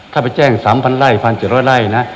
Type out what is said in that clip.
ถ้าไปแจ้ง๓๐๐ไร่๑๗๐๐ไร่นะ